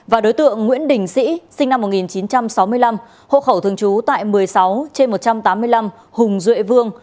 và đối tượng nguyễn đình sĩ sinh năm một nghìn chín trăm sáu mươi năm hộ khẩu thường trú tại một mươi sáu trên một trăm tám mươi năm hùng duệ vương